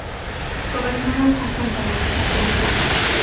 Gobernaron conjuntamente al principio.